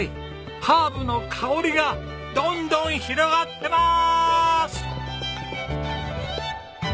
ハーブの香りがどんどん広がってます！